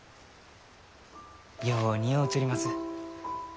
よう似合うちょります。